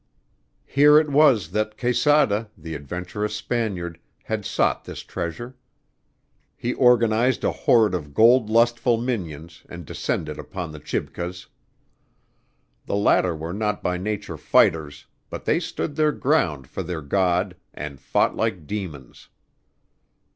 Here it was that Quesada, the adventurous Spaniard, had sought this treasure. He organized a horde of gold lustful minions and descended upon the Chibcas. The latter were not by nature fighters, but they stood their ground for their god, and fought like demons.